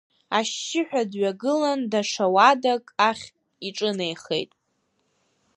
Ашьшьыҳәа дҩагылан даҽа уадак ахь иҿынеихеит.